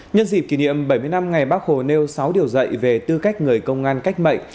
nhân dịp kỷ niệm bảy mươi năm ngày bác hồ nêu sáu điều dạy về tư cách người công an cách mệnh